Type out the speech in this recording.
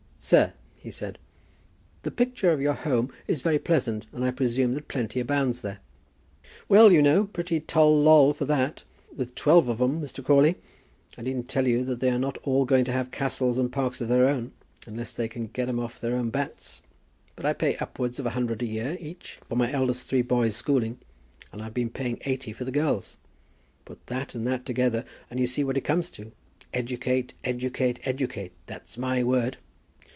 "Sir," he said, "the picture of your home is very pleasant, and I presume that plenty abounds there." "Well, you know, pretty toll loll for that. With twelve of 'em, Mr. Crawley, I needn't tell you they are not all going to have castles and parks of their own, unless they can get 'em off their own bats. But I pay upwards of a hundred a year each for my eldest three boys' schooling, and I've been paying eighty for the girls. Put that and that together and see what it comes to. Educate, educate, educate; that's my word."